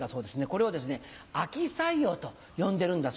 これをですね秋採用と呼んでるんだそうです。